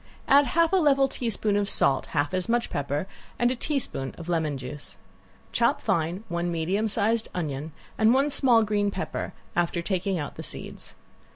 Add half a level teaspoon of salt, half as much pepper, and a teaspoon of lemon juice. Chop fine one medium size onion and one small green pepper, after taking out the seeds.